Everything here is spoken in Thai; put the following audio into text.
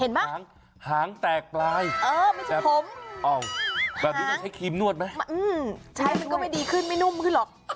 หางแตกปลายไม่ใช่ผมแบบนี้ต้องใช้ครีมนวดไหมใช้มันก็ไม่ดีขึ้นไม่นุ่มขึ้นหรอก